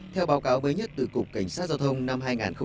theo báo cáo mới nhất từ cục cảnh sát giao thông năm hai nghìn một mươi tám